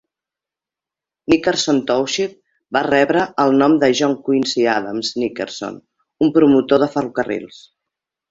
Nickerson Township va rebre el nom per John Quincy Adams Nickerson, un promotor de ferrocarrils.